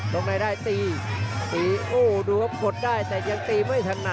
ล้อปีด้วยขาวขวาเล็กเกาะใน